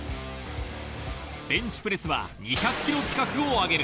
ベンチプレスは２００ｋｇ近くを上げる。